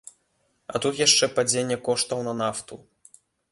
А тут яшчэ падзенне коштаў на нафту.